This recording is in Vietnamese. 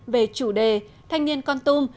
về chủ đề thanh niên con tum